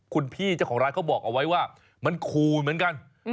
คุณพี่เจ้าของร้านเขาบอกเอาไว้ว่ามันขู่เหมือนกัน